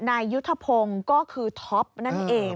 นายยุทธพงศ์ก็คือท็อปนั่นเอง